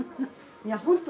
いや本当